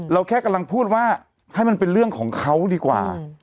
แค่กำลังพูดว่าให้มันเป็นเรื่องของเขาดีกว่า